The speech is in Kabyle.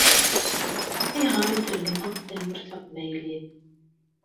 Ayɣer i tregmeḍ tamurt taqbaylit?